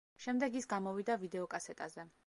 შემდეგ ის გამოვიდა ვიდეოკასეტაზე.